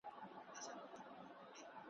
نه په خوله فریاد له سرولمبو لري ,